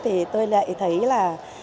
thì tôi lại thấy là